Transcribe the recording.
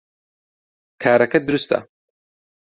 کارەکەت دروستە